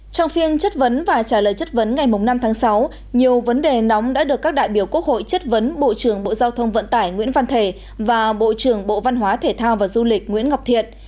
trong phiên chất vấn và trả lời chất vấn ngày năm tháng sáu nhiều vấn đề nóng đã được các đại biểu quốc hội chất vấn bộ trưởng bộ giao thông vận tải nguyễn văn thể và bộ trưởng bộ văn hóa thể thao và du lịch nguyễn ngọc thiện